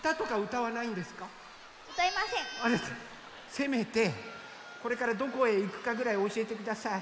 せめてこれからどこへいくかぐらいおしえてください。